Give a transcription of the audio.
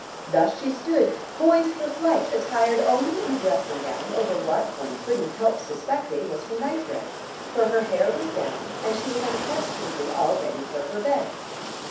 Thus she stood, poised for flight, attired only in a dressing gown over what, one couldn't help suspecting, was her night dress: for her hair was down, and she was unquestionably all ready for her bed....